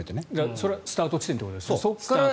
それはスタート地点ってことですよね。